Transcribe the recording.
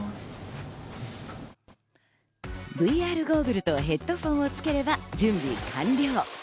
ＶＲゴーグルとヘッドホンを付ければ準備完了。